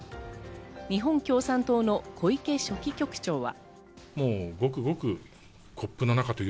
日本共産党の小池書記局長は。